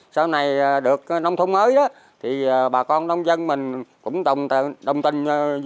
sau này được nông thôn mới thì bà con nông dân mình cũng đồng tình